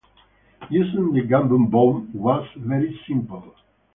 Using the Gammon bomb was very simple.